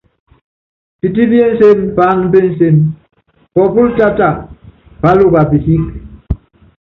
Pití pí ensem paán pé ensem, pópól táta páluka pisík.